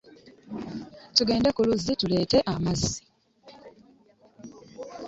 Tugende ku luzzi tuleete amazzi.